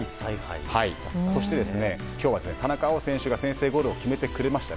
そして、今日は田中碧選手が先制ゴールを決めてくれました。